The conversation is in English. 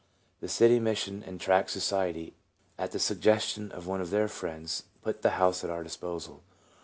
The City Mission and Tract Society, at the sug gestion of one of their friends, put the house at our disposal.